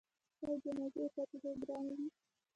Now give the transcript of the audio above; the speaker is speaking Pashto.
آیا جنازې او فاتحې ګرانې دي؟